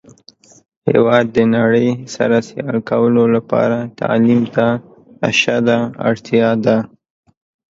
هیواد د نړۍ سره سیال کولو لپاره تعلیم ته اشده اړتیا ده.